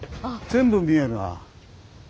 全部見えるな。